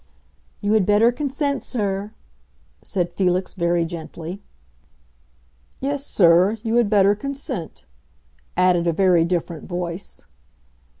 "You had better consent, sir," said Felix very gently. "Yes, sir, you had better consent," added a very different voice.